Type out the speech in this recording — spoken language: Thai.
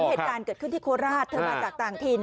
เหตุการณ์เกิดขึ้นที่โคราชเธอมาจากต่างถิ่น